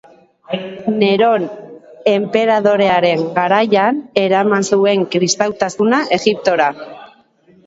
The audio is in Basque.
Neron enperadorearen garaian eraman zuen kristautasuna Egiptora.